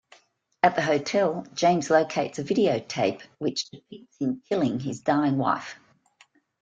At the hotel, James locates a videotape which depicts him killing his dying wife.